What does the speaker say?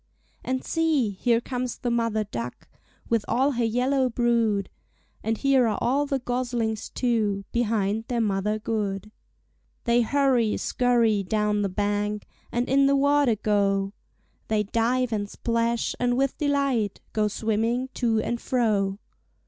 And see! here comes the mother duck With all her yellow brood; And here are all the goslings, too, Behind their mother good. They hurry, scurry, down the bank And in the water go. They dive and splash, and with delight Go swimming to and fro.